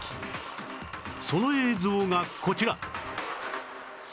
その映像がこちら